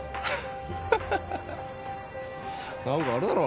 ハハハハッ何かあれだろ。